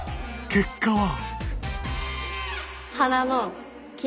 結果は？